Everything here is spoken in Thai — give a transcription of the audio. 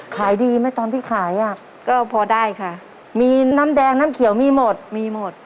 ขายดีไหมตอนที่ขายอ่ะก็พอได้ค่ะมีน้ำแดงน้ำเขียวมีหมดมีหมด